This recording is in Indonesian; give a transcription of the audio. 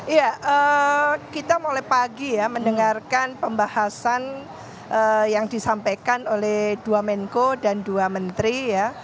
ya kita mulai pagi ya mendengarkan pembahasan yang disampaikan oleh dua menko dan dua menteri ya